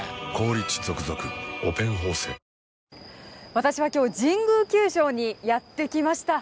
私は今日、神宮球場にやってきました。